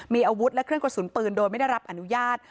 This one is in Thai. มีอาวุธและเครื่องกระสุนปืนโดยไม่ได้รับอนุญาต